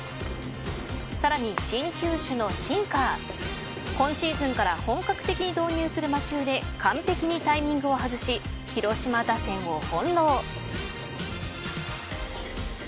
さらに新球種のシンカー今シーズンから本格的に導入するマッチングで完璧にタイミングを外し広島打線を翻弄。